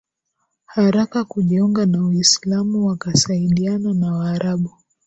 haraka kujiunga na Uislamu wakasaidiana na Waarabu